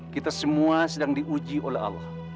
kita semua sedang diuji oleh allah